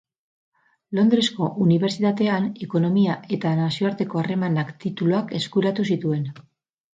Londresko Unibertsitatean Ekonomia eta Nazioarteko Harremanak tituluak eskuratu zituen.